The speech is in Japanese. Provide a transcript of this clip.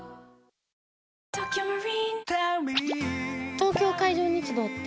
東京海上日動って？